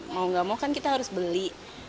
mau gak mau kan kita harus beli